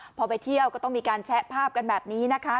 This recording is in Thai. พอไปเที่ยวก็ต้องมีการแชะภาพกันแบบนี้นะคะ